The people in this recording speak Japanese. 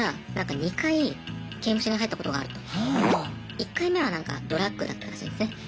１回目はなんかドラッグだったらしいんですね。